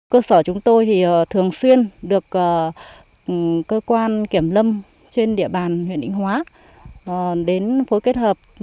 cơ sở chúng tôi thì thường xuyên được cơ quan kiểm lâm trên địa bàn huyện định hóa đến phối kết hợp